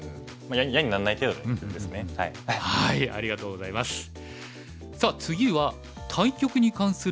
ありがとうございます。